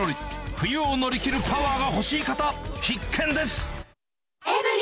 冬を乗り切るパワーが欲しい方、必見です。